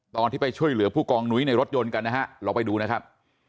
ตอนที่ไปช่วยเหลือผู้กองนุ้ยในรถยนต์กันนะฮะลองไปดูนะครับ